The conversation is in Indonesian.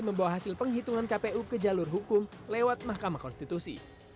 membawa hasil penghitungan kpu ke jalur hukum lewat mahkamah konstitusi